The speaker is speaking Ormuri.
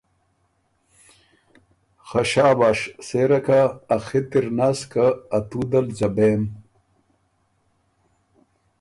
خه شاباش! سېره کۀ ا خِط اِر نس که ا توت دل ځبېم